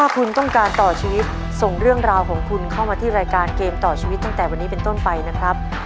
คุณต้องการต่อชีวิตส่งเรื่องราวของคุณเข้ามาที่รายการเกมต่อชีวิตตั้งแต่วันนี้เป็นต้นไปนะครับ